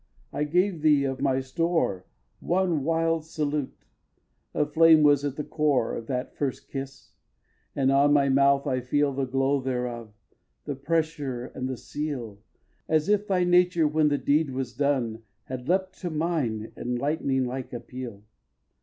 I gave thee of my store One wild salute. A flame was at the core Of that first kiss; and on my mouth I feel The glow thereof, the pressure and the seal, As if thy nature, when the deed was done, Had leapt to mine in lightning like appeal.